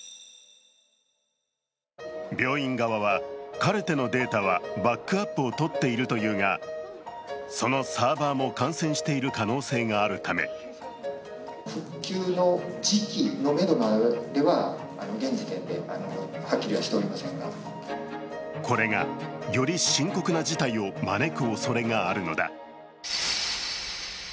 病院側はカルテのデータはバックアップをとっているというが、そのサーバーも感染している可能性があるためこれがより深刻な事態を招くおそれがあるのだ。